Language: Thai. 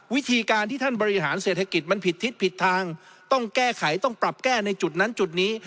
วิธีการที่ท่านบริหารเศรษฐกิจมันผิดทิศผิดทางต้องแก้ไขต้องปรับแก้ในจุดนั้นจุดนี้